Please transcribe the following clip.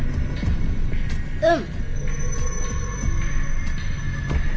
うん。